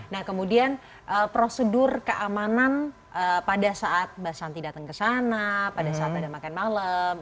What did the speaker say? nah kemudian prosedur keamanan pada saat mbak santi datang ke sana pada saat ada makan malam